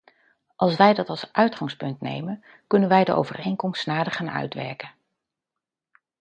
Als wij dat als uitgangspunt nemen, kunnen wij de overeenkomst nader gaan uitwerken.